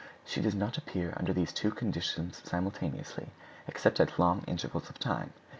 She does not appear under these two conditions simultaneously, except at long intervals of time.